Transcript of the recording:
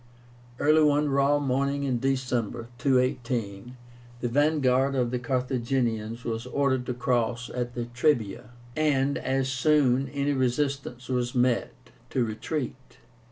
Early one raw morning in December, 218, the vanguard of the Carthaginians was ordered to cross the Trebia, and, as soon any resistance was met, to retreat.